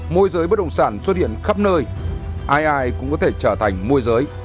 môi giới bất động sản xuất hiện khắp nơi ai ai cũng có thể trở thành môi giới